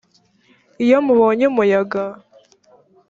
iyo mubonye umuyaga